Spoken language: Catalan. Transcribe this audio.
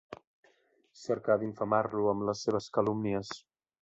Cercà d'infamar-lo amb les seves calúmnies.